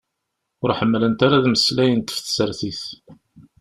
Ur ḥemmlent ara ad meslayent ɣef tsertit.